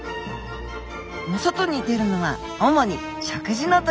お外に出るのは主に食事の時。